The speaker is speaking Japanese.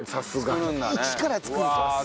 イチから作ります。